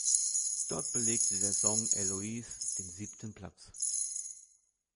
Dort belegt der Song "Eloise" den siebten Platz.